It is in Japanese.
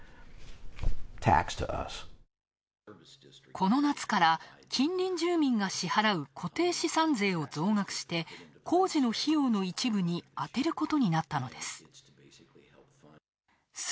この夏から近隣住民が支払う固定資産税を増額して、工事の費用の一部にあてることになったのです。